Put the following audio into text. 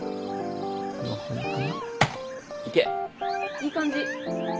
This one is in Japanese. いい感じ。